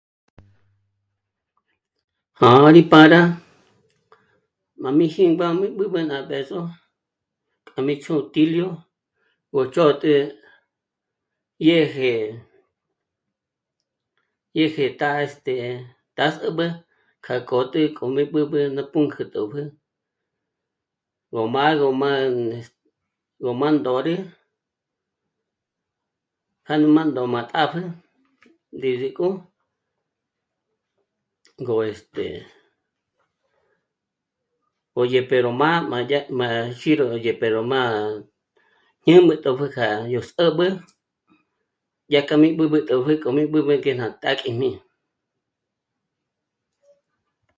"Jǎ'a rí p'âra májmí jímba mí b'ǚb'ü ná b'ëzo k'a mí chutilio gú ndzhô't'e dyêje... dyêje t'á... este... t'ásǚb'ü kjakó'te kjo mí b'ǚb'ü ná punk'ü tòpjü gó m'a'a... gó m'á'a... gó m'á'a ndóri jângo m'a ndóm'a tàpjü desde k'o... gó... este... ""Oye pero m'á dyàt'm'á xí ró dyèt'p'e pero m'a ndzhǜmbi tòpjü k'a yó sǚb'ü dyájka mí b'ǚb'ü tòpjü k'o mí b'ǚb'ü ngé ná t'ákjijní"""